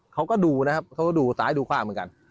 เขาก็ดูนะครับเขาก็ดูซ้ายดูขวาเหมือนกัน